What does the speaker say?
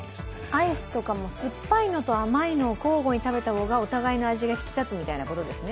アイスとかも酸っぱいのと甘いのを交互に食べた方がお互いの味が引き立つみたいなことですね。